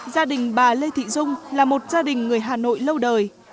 gia đình bà lê thị dung là một gia đình người hà nội lâu đời